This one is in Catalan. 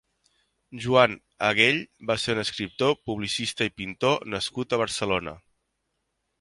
Joan Agell va ser un «Escriptor, publicista i pintor» nascut a Barcelona.